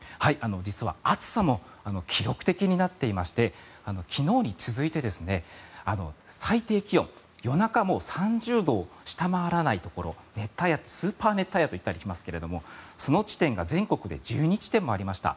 実は暑さも記録的になっていまして昨日に続いて最低気温、夜中も３０度を下回らないところスーパー熱帯夜と言ったりしますがその地点が全国で１２地点もありました。